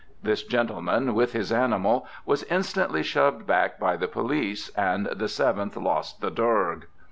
This gentleman, with his animal, was instantly shoved back by the police, and the Seventh lost the "dorg."